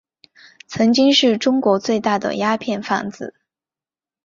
曾经是中国最大的鸦片贩子。